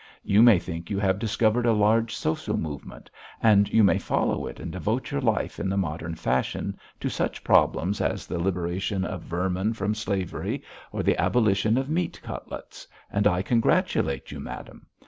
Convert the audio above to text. You may think you have discovered a large social movement, and you may follow it and devote your life in the modern fashion to such problems as the liberation of vermin from slavery, or the abolition of meat cutlets and I congratulate you, madam.